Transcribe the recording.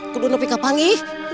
kudu nepi kapangi